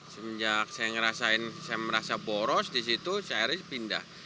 sejak saya merasa boros di situ saya pindah